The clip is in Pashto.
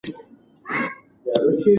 تکنالوژي د خلکو ترمنځ اړیکې چټکې کړې دي.